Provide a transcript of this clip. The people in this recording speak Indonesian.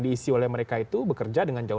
diisi oleh mereka itu bekerja dengan jauh